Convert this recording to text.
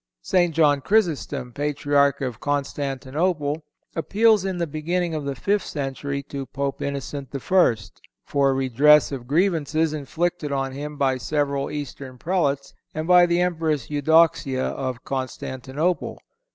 St. John Chrysostom, Patriarch of Constantinople, appeals in the beginning of the fifth century to Pope Innocent I. for a redress of grievances inflicted on him by several Eastern Prelates, and by the Empress Eudoxia of Constantinople.